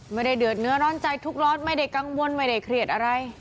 เดือดเนื้อร้อนใจทุกร้อนไม่ได้กังวลไม่ได้เครียดอะไร